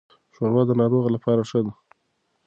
ښوروا د ناروغ لپاره ښه ده.